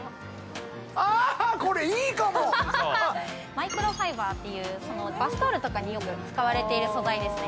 マイクロファイバーというバスタオルとかによく使われている素材ですね。